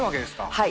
はい。